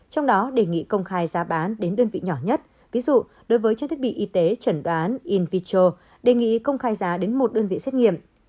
trong đó đề nghị công khai giá bán đến đơn vị nhỏ nhất ví dụ đối với trang thiết bị y tế chẩn đoán in viettral đề nghị công khai giá đến một đơn vị xét nghiệm